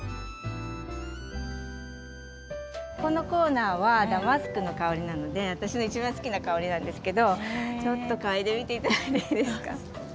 このコーナーはダマスクの香りなので私のいちばん好きな香りなんですけど、ちょっと嗅いでみていただいていいですか？